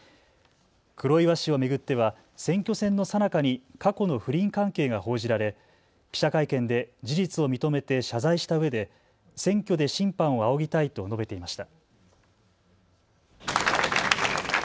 黒岩氏を巡っては選挙戦のさなかに過去の不倫関係が報じられ記者会見で事実を認めて謝罪したうえで選挙で審判を仰ぎたいと述べていました。